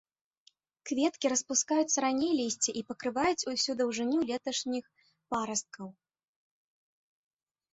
Кветкі распускаюцца раней лісця і пакрываюць усю даўжыню леташніх парасткаў.